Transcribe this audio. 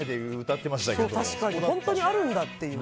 本当にあるんだっていう。